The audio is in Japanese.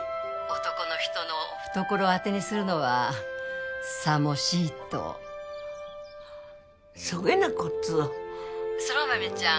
☎男の人の懐を当てにするのはさもしいとそげなこつ☎空豆ちゃん